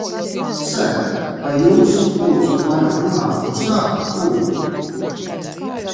Ser, vai jūs, lūdzu, varat runāt klusāk, lūdzu?